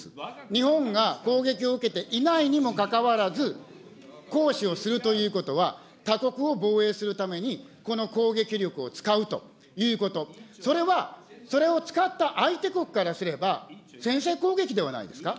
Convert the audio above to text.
日本が攻撃を受けていないにもかかわらず、行使をするということは、他国を防衛するために、この攻撃力を使うということ、それは、それを使った相手国からすれば、先制攻撃ではないですか。